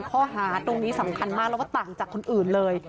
ข้อหาตรงนี้สำคัญมากแล้วก็ต่างจากคนอื่นเลย